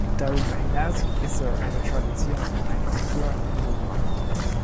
Darüber hinaus ist er eine Tradition und eine Kultur in unserem Land.